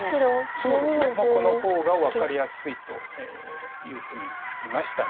この方が分かりやすいというふうに見ました。